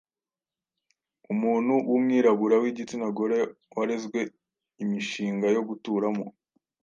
umuntu w'umwirabura w'igitsina gore warezwe Imishinga yo guturamo